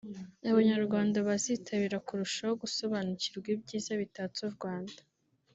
Abanyarwanda bazitabira kurushaho gusobanukirwa ibyiza bitatse u Rwanda